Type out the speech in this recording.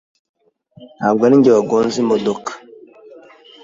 Ntabwo arinjye wagonze imodoka.